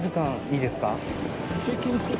いいですか？